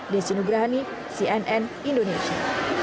desi nugrahani cnn indonesia